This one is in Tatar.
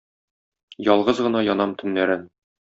Ялгыз гына янам төннәрен.